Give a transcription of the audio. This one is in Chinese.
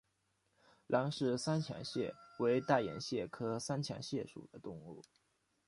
兰氏三强蟹为大眼蟹科三强蟹属的动物。